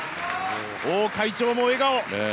王会長も笑顔。